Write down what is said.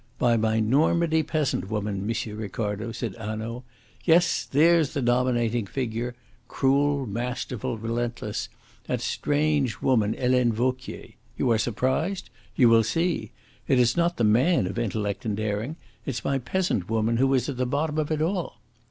"By my Normandy peasant woman, M. Ricardo," said Hanaud. "Yes, there's the dominating figure cruel, masterful, relentless that strange woman, Helene Vauquier. You are surprised? You will see! It is not the man of intellect and daring; it's my peasant woman who is at the bottom of it all."